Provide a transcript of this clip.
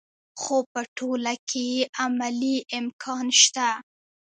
خو په ټوله کې یې عملي امکان شته.